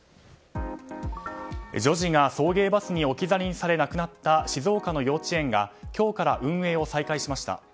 女児が送迎バスに置き去りにされ亡くなった静岡の幼稚園が今日から運営を再開しました。